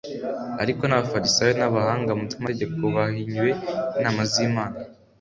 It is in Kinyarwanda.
ariko abafarisayo n’ abahanga mu by’ amategeko bahinyuye inama z’ imana